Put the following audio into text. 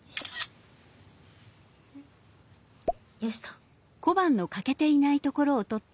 よしと。